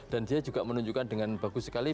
dan dia juga menunjukkan dengan bagus sekali